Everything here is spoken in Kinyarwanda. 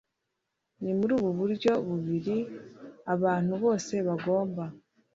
ni muri ubu buryo bubiri abantu bose bagomba